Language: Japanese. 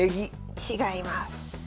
違います。